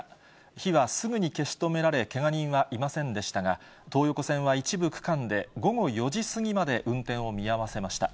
火はすぐに消し止められ、けが人はいませんでしたが、東横線は一部区間で午後４時過ぎまで運転を見合わせました。